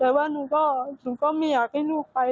แต่ว่าหนูก็ไม่อยากให้ลูกไป